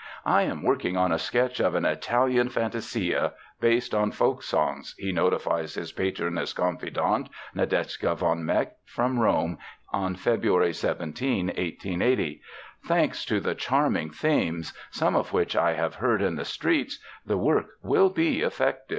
"I am working on a sketch of an 'Italian Fantasia' based on folksongs," he notifies his patroness confidante, Nadeshka von Meck, from Rome on February 17, 1880. "Thanks to the charming themes, some of which I have heard in the streets, the work will be effective."